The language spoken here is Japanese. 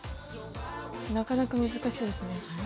なかなか難しいですね。